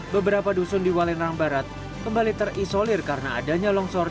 beberapa dusun di walendrang barat kembali terisolir karena adanya longsor